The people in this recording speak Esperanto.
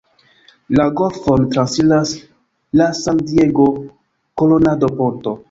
La golfon transiras la San-Diego–Coronado Ponto.